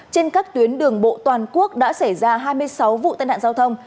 trên các tuyến đường bộ toàn quốc đã xảy ra hai mươi sáu vụ tên hạn giao thông